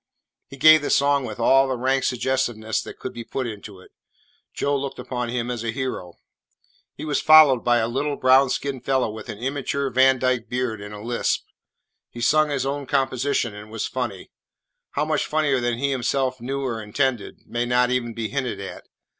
He gave the song with all the rank suggestiveness that could be put into it. Joe looked upon him as a hero. He was followed by a little, brown skinned fellow with an immature Vandyke beard and a lisp. He sung his own composition and was funny; how much funnier than he himself knew or intended, may not even be hinted at.